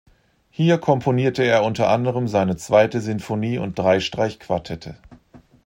Hier komponierte er unter anderem seine zweite Sinfonie und drei Streichquartette.